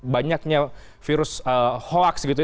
banyaknya virus hoaks gitu ya